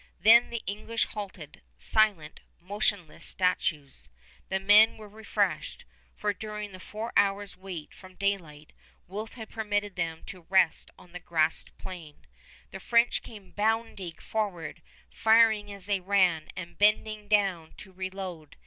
Then the English halted, silent, motionless statues. The men were refreshed, for during the four hours' wait from daylight, Wolfe had permitted them to rest on the grassed plain. The French came bounding forward, firing as they ran, and bending down to reload.